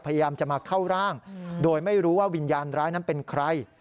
พยายามจะมาเข้าร่างโดยไม่รู้ว่าวิญญาณร้ายนั้นเป็นใคร